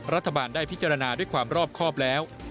รัฐบาลได้พิจารณาด้วยความรอบครอบแล้ว